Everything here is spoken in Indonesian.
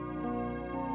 tidak ada apa apa